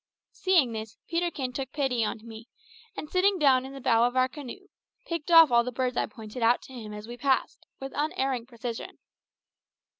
Seeing this, Peterkin took pity on me, and sitting down in the bow of our canoe, picked off all the birds I pointed out to him as we passed, with unerring precision.